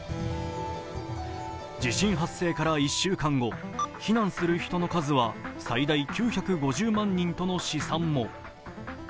地震発生から１週間後、避難する人の数は最大９５０万人との試算も。